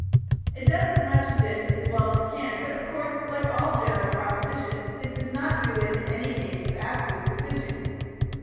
It does as much of this as well as it can, but, of course, like all general propositions, it does not do it in any case with absolute precision.